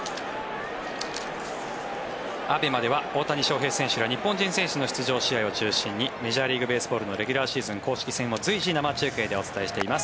ＡＢＥＭＡでは大谷翔平選手ら日本人選手の出場を中心にメジャーリーグベースボールのレギュラーシーズン公式戦を随時生中継でお伝えしています。